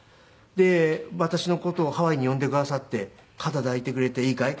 で私の事をハワイに呼んでくださって肩抱いてくれて「いいかい？